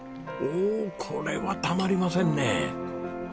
おおこれはたまりませんね。